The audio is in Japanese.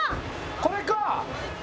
これか！